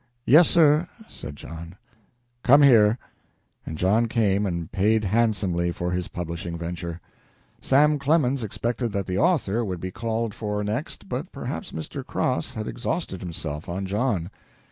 "Yes, sir," said John. "Come here!" And John came and paid handsomely for his publishing venture. Sam Clemens expected that the author would be called for next; but perhaps Mr. Cross had exhausted himself on John.